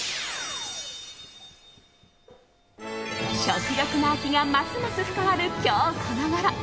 食欲の秋がますます深まる今日このごろ。